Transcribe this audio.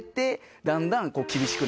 だんだん。